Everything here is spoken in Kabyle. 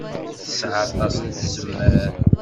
Tesɛa aṭas n tzemmar.